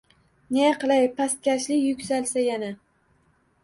Ne qilay, pastkashlik yuksalsa yana